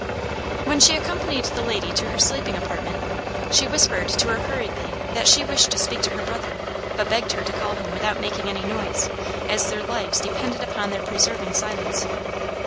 When she accompanied the lady to her sleeping apartment, she whispered to her hurriedly that she wished to speak to her brother, but begged her to call him without making any noise, as their lives depended upon their preserving silence.